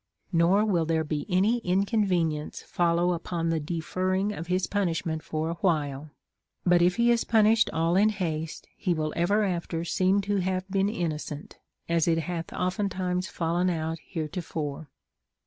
Nor will tliere any. inconvenience follow upon the deferring of his punishment for a while ; but if he be punished all in haste, he will ever after seem to have been innocent, as it hath oftentimes fallen out heretofore.